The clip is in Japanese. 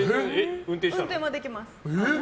運転はできます。